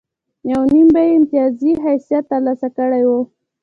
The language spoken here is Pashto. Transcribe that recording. یو نیم به یې امتیازي حیثیت ترلاسه کړی و.